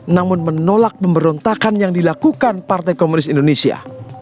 namun menolak pemberontakan yang dilakukan partai komunis indonesia